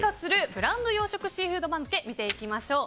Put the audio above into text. ブランド養殖シーフード番付見ていきましょう。